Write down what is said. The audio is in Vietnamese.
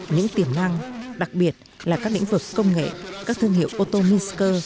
những tiềm năng đặc biệt là các lĩnh vực công nghệ các thương hiệu ô tô minsk